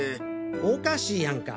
おかしいやんか？